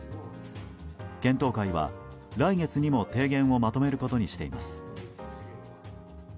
検討会は、来月にも提言をまとめることにしています。